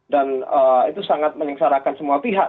dan itu sangat menyesarakan semua pihak